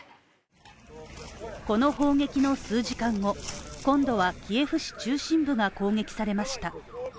この砲撃の数時間後、今度はキエフ市中心部が攻撃されました。